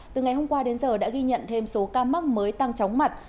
từ ngày hôm qua đến giờ đã ghi nhận thêm số ca mắc mới tăng chóng mặt